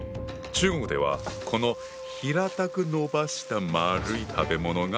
中国ではこの平たくのばした丸い食べ物が。